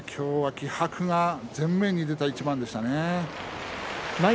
高安の気迫が前面に出た一番でしたね。